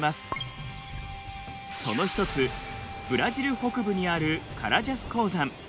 その一つブラジル北部にあるカラジャス鉱山。